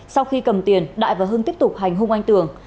sau khi cầm tiền đại và hưng tiếp tục hành hung anh tường